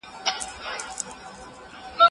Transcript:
چې غم راځي اول په ما سلام کوينه